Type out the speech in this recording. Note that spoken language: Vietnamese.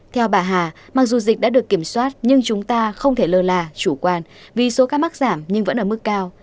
theo bà hà mặc dù dịch đã được kiểm soát nhưng chúng ta không thể lơ là chủ quan vì số ca mắc giảm nhưng vẫn ở mức cao